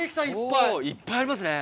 いっぱいありますね。